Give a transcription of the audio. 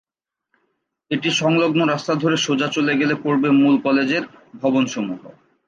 এটি সংলগ্ন রাস্তা ধরে সোজা চলে গেলে পড়বে মূল কলেজের ভবন সমূহ।